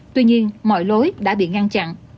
tuy nhiên mọi lối đã bị ngăn chặn